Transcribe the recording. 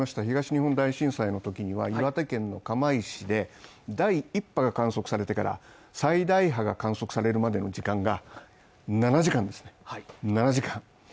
今お話がありました東日本大震災のときには岩手県の釜石で第一波が観測されてから最大波が観測されるまでの時間が７時間です。